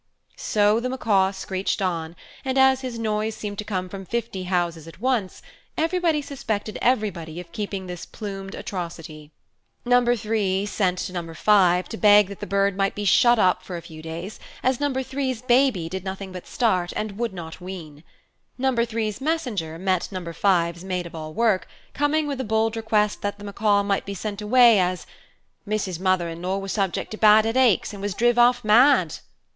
So the Macaw screeched on, and as his noise seemed to come from fifty houses at once, everybody suspected everybody of keeping this plumed atrocity. No. 3 sent to No. 5 to beg that the bird might be shut up for a few days, as No. 3's baby did nothing but start, and would not wean. No. 3's messenger met No. 5's maid of all work, coming with a bold request that the macaw might be sent away, as "Missus's mother in law was subject to bad headaches, and was driv half mad."